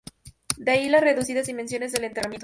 De ahí las reducidas dimensiones del enterramiento.